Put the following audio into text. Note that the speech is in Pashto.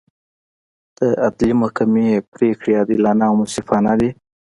د عدلي محکمې پرېکړې عادلانه او منصفانه دي.